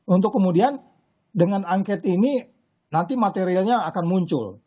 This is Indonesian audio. untuk kemudian dengan angket ini nanti materialnya akan muncul